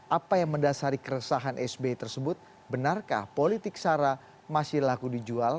apa yang mendasari keresahan sbi tersebut benarkah politik sara masih laku dijual